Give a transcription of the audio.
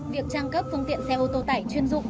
việc trang cấp phương tiện xe ô tô tải chuyên dụng